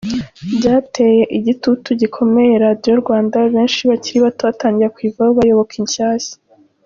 Byateye igitutu gikomeye Radio Rwanda, benshi mu bakiri bato batangira kuyivaho bayoboka inshyashya.